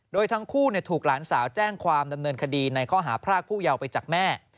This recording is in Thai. โดยทั้งคู่ถูกหลานสาวแจ้งความดำเนินคดีในข้อหาพรากผู้เยาว์ไปจากแม่